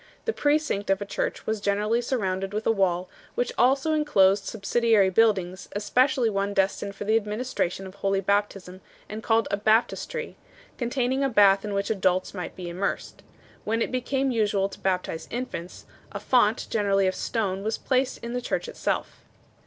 The precinct of a church was generally surrounded with a wall, which also enclosed subsidiary buildings, especially one destined for the administration of holy baptism and called a baptistery 2 , containing a bath in which adults might be immersed. When it became usual to baptize infants, a font 3 , generally of stone, was placed in the church itself.